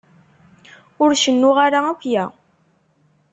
Ur cennuɣ ara akya.